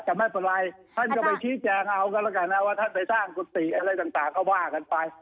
แต่ไม่เป็นไรท่านก็ไปชี้แจงเอากันแล้วกันนะว่าท่านไปสร้างกุฏิอะไรต่างก็ว่ากันไป